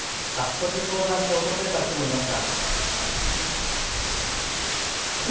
窓口には早速、相談に訪れた人もいました。